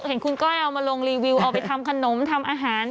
เห็นคุณก้อยเอามาลงรีวิวเอาไปทำขนมทำอาหาร